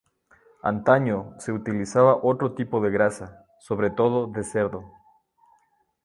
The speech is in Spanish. Antaño, se utilizaba otro tipo de grasa, sobre todo de cerdo.